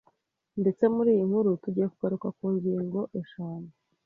ndetse muri iyi nkuru tugiye kugaruka ku ngingo eshanu